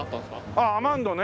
ああアマンドね！